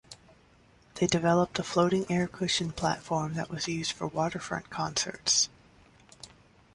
They developed a floating air cushion platform that was used for waterfront concerts.